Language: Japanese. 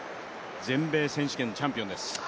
全米選手権チャンピオンです。